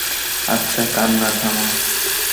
আচ্ছা কান্না থামাও।